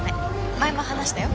前も話したよ。